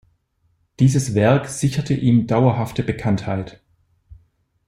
Dieses Werk sicherte ihm dauerhafte Bekanntheit.